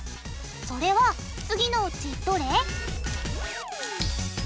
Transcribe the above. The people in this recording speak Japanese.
それは次のうちどれ？